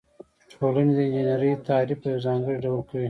ټولنې د انجنیری تعریف په یو ځانګړي ډول کوي.